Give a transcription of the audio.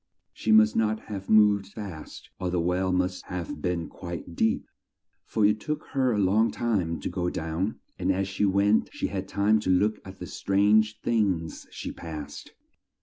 She must not have moved fast, or the well must have been quite deep, for it took her a long time to go down, and as she went she had time to look at the strange things she passed.